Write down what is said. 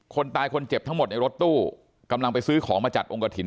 คนตายคนเจ็บทั้งหมดในรถตู้กำลังไปซื้อของมาจัดองกระถิ่น